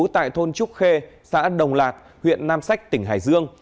tại thôn trúc khê xã đồng lạc huyện nam sách tỉnh hải dương